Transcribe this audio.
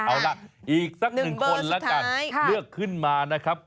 เอาล่ะอีกสักหนึ่งคนแล้วกันเลือกขึ้นมานะครับ